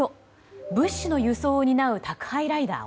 物資の輸送を担う宅配ライダー